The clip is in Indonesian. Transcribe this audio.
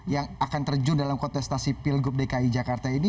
yang akan terjun dalam kontestasi pilgub dki jakarta ini